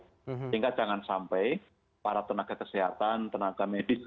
sehingga jangan sampai para tenaga kesehatan tenaga medis